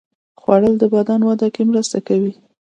خوړل د بدن وده کې مرسته کوي